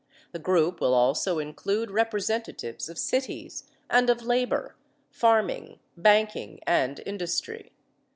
The group will also include representatives of cities, and of labor, farming, banking and industry.